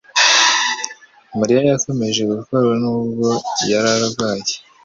Mariya yakomeje gukora nubwo yari arwaye.